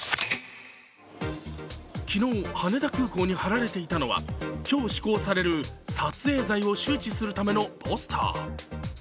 昨日、羽田空港に貼られていたのは、今日施行される撮影罪を周知するためのポスター。